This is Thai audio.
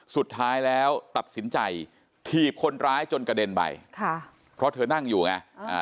สุดท้ายแล้วตัดสินใจถีบคนร้ายจนกระเด็นไปค่ะเพราะเธอนั่งอยู่ไง